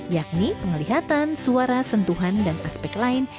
yakni penglihatan suara sentuhan dan aspek lain